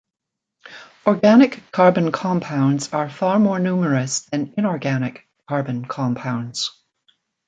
Organic carbon compounds are far more numerous than inorganic carbon compounds.